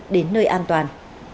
đến nơi an toàn